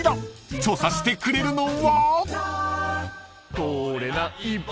［調査してくれるのは］